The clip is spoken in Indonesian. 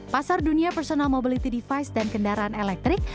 pasar dunia personal mobility device dan kendaraan elektrik